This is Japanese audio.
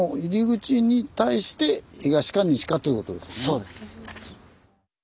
そうです。